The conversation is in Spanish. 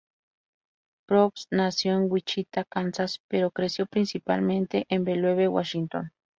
Probst nació en Wichita, Kansas, pero creció principalmente en Bellevue, Washington.